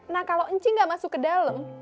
nah kalau encing gak masuk ke dalam